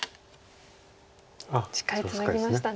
しっかりツナぎましたね。